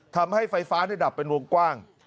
ทำให้ไฟฟ้าดับเป็นวงกว้าง